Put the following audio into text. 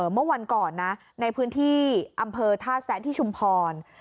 เมื่อวันก่อนนะในพื้นที่อำเภอท่าแซะที่ชุมพร